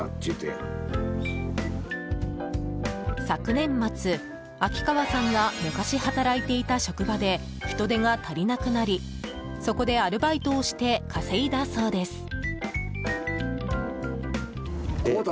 昨年末秋川さんが昔、働いていた職場で人手が足りなくなり、そこでアルバイトをして稼いだそうです。